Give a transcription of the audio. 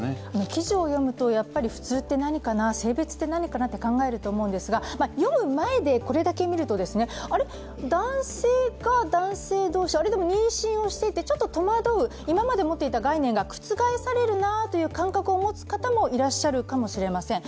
記事を読むとやっぱり普通って何かな、性別って何かなと考えると思うんですが読む前に、これだけを見るとあれっ、男性が男性同士、あれでも妊娠をしていてちょっととまどう、今まで持っていた概念が覆されるなという感覚を持つ方もいらっしゃるかもしれません。